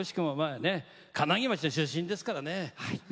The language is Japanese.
金木町の出身ですからね。